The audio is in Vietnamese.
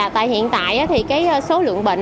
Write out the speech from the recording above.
tại hiện tại thì cái số lượng bệnh